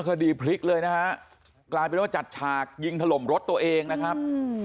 คดีพลิกเลยนะฮะกลายเป็นว่าจัดฉากยิงถล่มรถตัวเองนะครับ